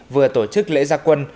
vừa tổ chức lễ gia quân